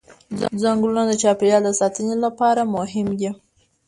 ځنګلونه د چاپېریال د ساتنې لپاره مهم دي